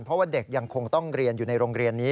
เพราะว่าเด็กยังคงต้องเรียนอยู่ในโรงเรียนนี้